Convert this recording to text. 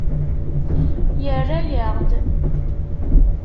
Yerra-aɣ-d.